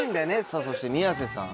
さぁそして宮瀬さん